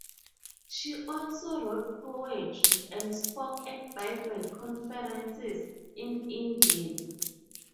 She also wrote poetry and spoke at Bible conferences in Indiana.